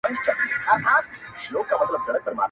نکړې چا راټولي ستا تر غېږي اواره ګرځي,